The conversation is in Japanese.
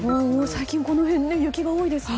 最近、この辺雪が多いですね。